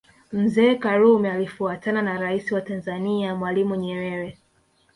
Mzee Karume alifuatana na Rais wa Tanzania Mwalimu Nyerere